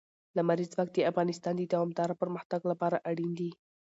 لمریز ځواک د افغانستان د دوامداره پرمختګ لپاره اړین دي.